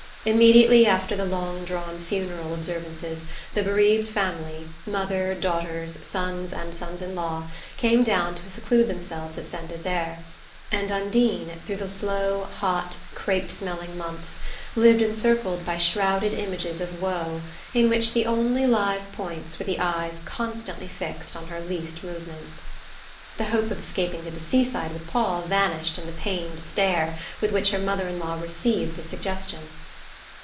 Immediately after the long drawn funeral observances the bereaved family mother, daughters, sons and sons in law came down to seclude themselves at Saint Desert; and Undine, through the slow hot crape smelling months, lived encircled by shrouded images of woe in which the only live points were the eyes constantly fixed on her least movements. The hope of escaping to the seaside with Paul vanished in the pained stare with which her mother in law received the suggestion.